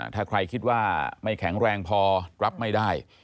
ถ้าใครคิดว่าไม่แข็งแรงพอรับไม่ได้